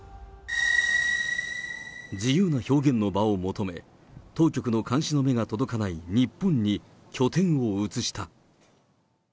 自由な表現の場を求め、当局の監視の目が届かない日本に拠点を移した。